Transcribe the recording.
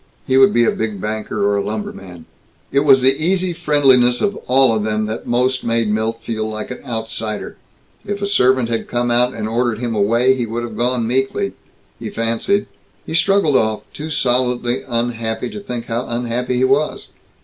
He would be a big banker, or a lumberman. It was the easy friendliness of all of them that most made Milt feel like an outsider. If a servant had come out and ordered him away, he would have gone meekly ... he fancied. He straggled off, too solidly unhappy to think how unhappy he was.